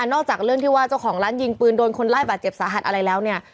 อกจากเรื่องที่ว่าเจ้าของร้านยิงปืนโดนคนไล่บาดเจ็บสาหัสอะไรแล้วเนี่ย